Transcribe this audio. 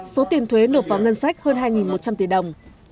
số tiền thuế nộp vào ngân sách hơn hai một trăm linh tỷ đồng